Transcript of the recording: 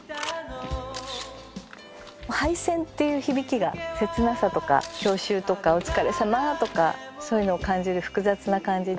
廃線っていう響きが切なさとか郷愁とかお疲れさまとかそういうのを感じる複雑な感じで。